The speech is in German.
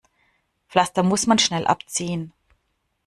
Pflaster muss man schnell abziehen.